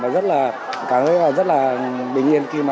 và cảm thấy rất là bình yên